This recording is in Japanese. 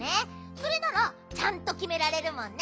それならちゃんときめられるもんね。